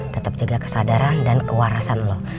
tetap jaga kesadaran dan kewarasan loh